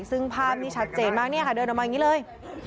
ซึ่งภาพนี้ชัดเจนมากเนี่ยค่ะเดินออกมาอย่างนี้เลย